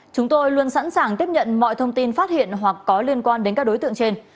chúng tôi luôn sẵn sàng tiếp nhận mọi thông tin phát hiện hoặc có liên quan đến các đối tượng trên